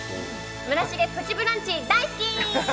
村重「プチブランチ」大好き！